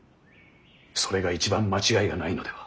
それが一番間違いがないのでは。